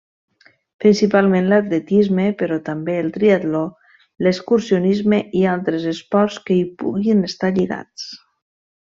Principalment l'atletisme, però també el triatló, l'excursionisme i altres esports que hi puguin estar lligats.